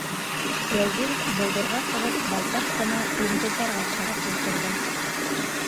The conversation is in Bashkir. Вәзир, болдорға сығып, байтаҡ ҡына йондоҙҙарға ҡарап ултырҙы.